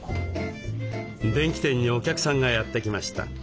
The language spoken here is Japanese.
電気店にお客さんがやって来ました。